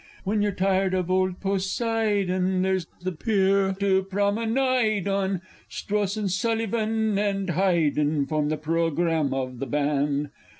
When you're tired of old Poseidon, there's the pier to promenide on, Strauss, and Sullivan, and Haydn form the programme of the band.